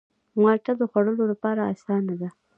مالټه د خوړلو لپاره آسانه ده.